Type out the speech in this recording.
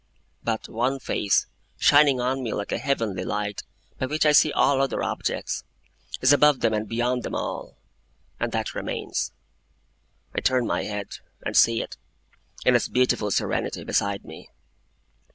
But one face, shining on me like a Heavenly light by which I see all other objects, is above them and beyond them all. And that remains. I turn my head, and see it, in its beautiful serenity, beside me.